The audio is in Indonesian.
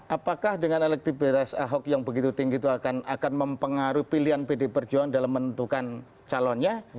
apakah dengan elektibilitas ahok yang begitu tinggi itu akan mempengaruhi pilihan pdi perjuangan dalam menentukan calonnya